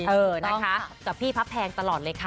เออนะคะกับพี่พระแพงตลอดเลยค่ะ